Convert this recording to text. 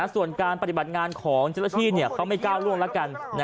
ส่วนการปฏิบัติงานของเจ้าหน้าที่เขาไม่ก้าวล่วงแล้วกัน